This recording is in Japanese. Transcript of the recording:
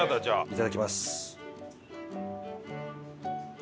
いただきます。